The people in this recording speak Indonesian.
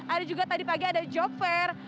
ada juga tadi pagi ada job fair